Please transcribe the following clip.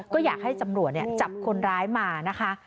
ก็อยากให้ตำรวจจับคนร้ายมานะคะ